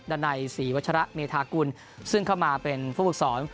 ดันัยศรีวัชระเมธากุลซึ่งเข้ามาเป็นผู้ฝึกสอน